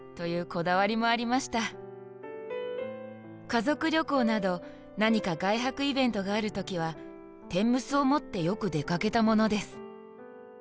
「家族旅行など何か外泊イベントがあるときは、天むすを持ってよく出かけたものです。